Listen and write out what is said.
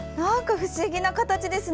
不思議な形ですね。